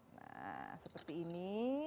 nah seperti ini